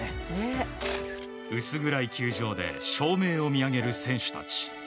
薄暗い球場で照明を見上げる選手たち。